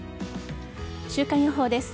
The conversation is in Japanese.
週間予報です。